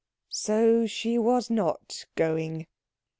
So she was not going.